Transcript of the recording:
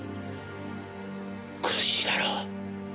苦しいだろ？